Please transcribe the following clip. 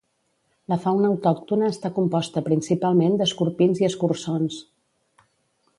La fauna autòctona està composta principalment d'escorpins i escurçons.